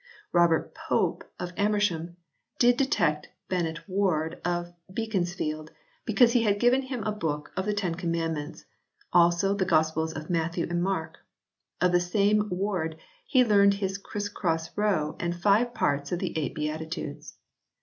Robert Pope of Amersham "did detect Benet Ward of Beaconsfield because he had given him a book of the Ten Commandments, also the Gospels of Matthew and Mark. Of the same Ward he learned his Christ cross row and five parts of the eight beatitudes."